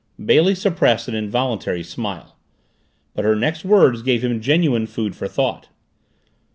Bailey repressed an involuntary smile. But her next words gave him genuine food for thought.